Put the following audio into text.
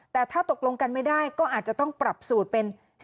แต่ถ้าตกลงกันไม่ได้ก็อาจจะต้องปรับสูตรเป็น